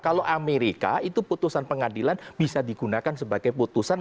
kalau amerika itu putusan pengadilan bisa digunakan sebagai putusan